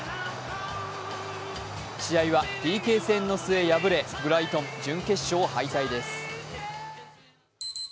試合はＰＫ戦の末敗れ、ブライトン、準決勝敗退です。